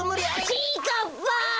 ちぃかっぱ！